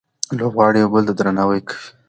لوبغاړي یو بل ته درناوی کوي.